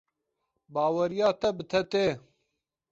Baweriya te bi te tê.